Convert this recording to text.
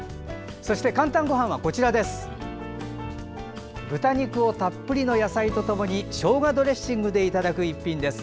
そして「かんたんごはん」は豚肉をたっぷりの野菜とともにしょうがドレッシングでいただく一品です。